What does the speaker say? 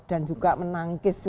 dan juga menangkis